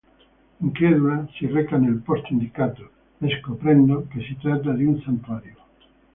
Incredula, si reca nel posto indicato, scoprendo che si tratta di un santuario.